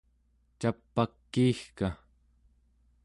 cap'akiigka